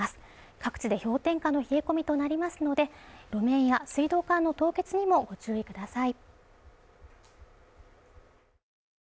各地で氷点下の冷え込みとなりますので路面や水道管の凍結にもご注意ください